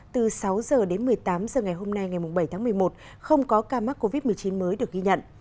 từ sáu h đến một mươi tám h ngày hôm nay ngày bảy tháng một mươi một không có ca mắc covid một mươi chín mới được ghi nhận